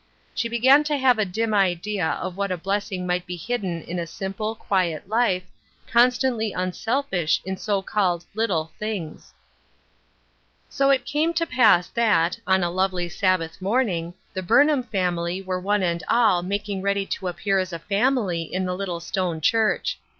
She began to have a dim idea of what a blessing might be hidden in a simple, quiet life, constantly ^uiiself ish in go called little things. 356 Ruth Er shine 8 Crosses. So it came to pass that, on a lovely Sabbatb morning, the Burnham family were o.Ae and all making ready to appear as a family in the little stone church.